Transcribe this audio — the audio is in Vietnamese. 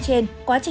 chỉ hiện tiền